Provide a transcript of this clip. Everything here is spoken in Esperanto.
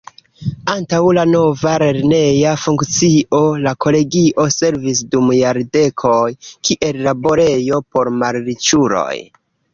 Antaŭ la nova lerneja funkcio la Kolegio servis dum jardekoj kiel laborejo por malriĉuloj.